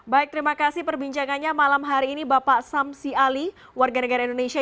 baik terima kasih perbincangannya malam hari ini bapak samsi ali warga negara indonesia